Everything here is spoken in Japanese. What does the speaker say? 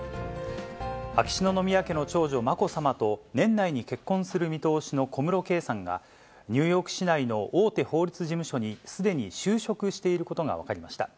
秋篠宮家の長女、まこさまと年内に結婚する見通しの小室圭さんが、ニューヨーク市内の大手法律事務所にすでに就職していることが分かりました。